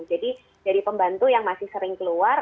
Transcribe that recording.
jadi dari pembantu yang masih sering keluar